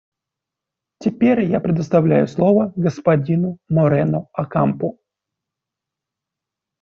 Теперь я предоставляю слово господину Морено Окампо.